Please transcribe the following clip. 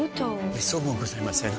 めっそうもございません。